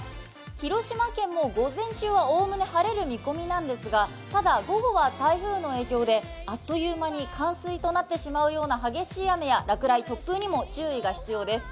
広島県も午前中はおおむね晴れる見込みなんですが、ただ、午後は台風の影響であっという間に冠水となってしまうような激しい雨や落雷、突風にも注意が必要です。